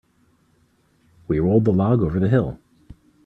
We rolled the log over the hill.